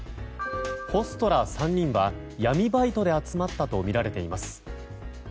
ホストら３人は闇バイトで集まったとみられています。